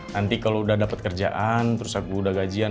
nanti kalau udah dapat kerjaan terus aku udah gajian